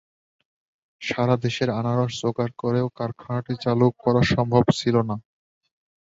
সারা দেশের আনারস জোগাড় করেও কারখানাটি চালু করা সম্ভব ছিল না।